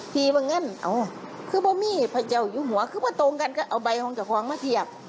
พีบเงินเอ้าเขาไม่มีพระเจ้าอยู่หัวเขามาตรงกันก็เอาใบของจักรความมาเทียบ